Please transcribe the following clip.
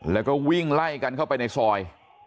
แล้วก็วิ่งไล่กันเข้าไปในซอย